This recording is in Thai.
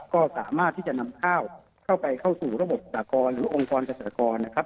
ก็สามารถที่จะนำข้าวเข้าไปเข้าสู่ระบบสากรหรือองค์กรเกษตรกรนะครับ